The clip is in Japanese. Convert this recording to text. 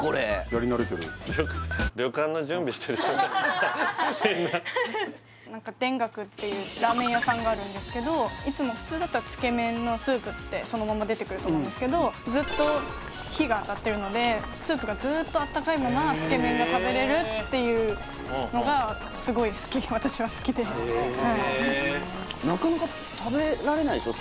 やり慣れてる旅館の準備してる人みたいみんな何か田楽っていうラーメン屋さんがあるんですけど普通だったらつけ麺のスープってそのまま出てくると思うんですがずっと火があたってるのでスープがずっとあったかいままつけ麺が食べれるっていうのがへえっすごい好き私は好きでへえっなかなか食べられないでしょ